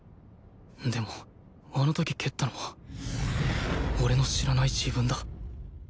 でもあの時蹴ったのは俺の知らない自分だ